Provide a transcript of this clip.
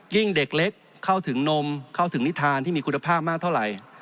เด็กเล็กเข้าถึงนมเข้าถึงนิทานที่มีคุณภาพมากเท่าไหร่